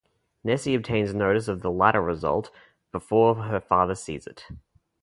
Nessie obtains notice of the Latta result before her father sees it.